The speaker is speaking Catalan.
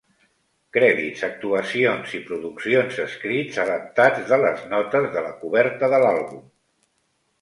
Crèdits, actuacions i produccions escrits adaptats de les notes de la coberta de l'àlbum.